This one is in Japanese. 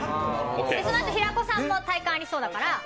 そのあと、平子さんも体幹ありそうだから。